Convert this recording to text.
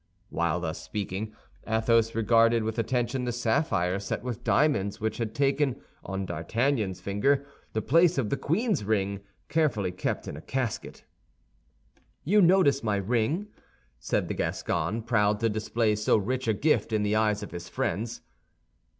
While thus speaking Athos regarded with attention the sapphire set with diamonds which had taken, on D'Artagnan's finger, the place of the queen's ring, carefully kept in a casket. "You notice my ring?" said the Gascon, proud to display so rich a gift in the eyes of his friends.